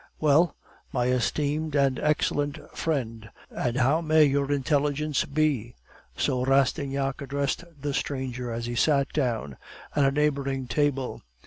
"'Well, my esteemed and excellent friend, and how may Your Intelligence be?' So Rastignac addressed the stranger as he sat down at a neighboring table.